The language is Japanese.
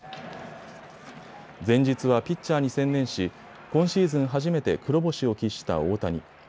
前日はピッチャーに専念し今シーズン初めて黒星を喫した大谷。